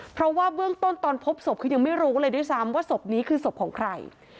เพราะว่าเบื้องต้นตอนพบศพคือยังไม่รู้เลยด้วยซ้ำว่าศพนี้คือศพของใคร